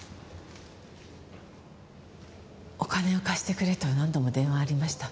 お金を貸してくれと何度も電話ありました。